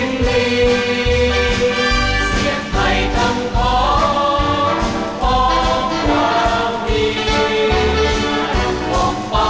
มุมหาวะแผนกรรม